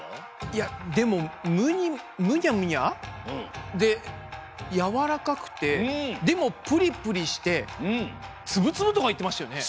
いやでもむにゃむにゃ？でやわらかくてでもプリプリしてつぶつぶとかいってましたよね。